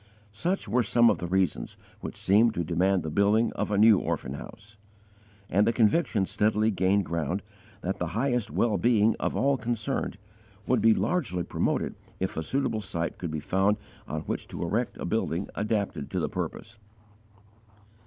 Such were some of the reasons which seemed to demand the building of a new orphan house; and the conviction steadily gained ground that the highest well being of all concerned would be largely promoted if a suitable site could be found on which to erect a building adapted to the purpose.